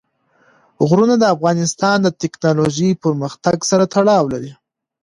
غرونه د افغانستان د تکنالوژۍ پرمختګ سره تړاو لري.